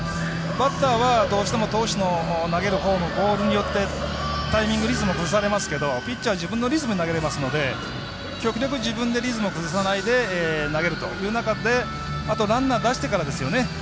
バッターは、どうしても投手の投げるフォーム、ボールによってタイミング、リズム崩されますがピッチャーは自分のリズムで投げれるので極力、自分でリズムを崩さないで投げるという中であとランナー出してからですよね。